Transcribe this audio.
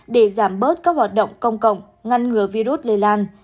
để giảm bớt các hoạt động công cộng ngăn ngừa virus lây lan